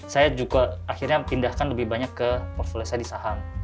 saya juga akhirnya pindahkan lebih banyak ke portfolio saya di saham